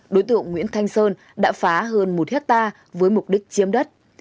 đối tượng nguyễn thanh sơn đã phá hơn một hectare với mục đích chiếm đất